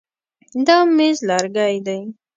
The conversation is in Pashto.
دا مېز لرګی دی.